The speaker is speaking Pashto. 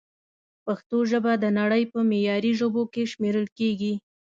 پښتو ژبه د نړۍ په معياري ژبو کښې شمېرل کېږي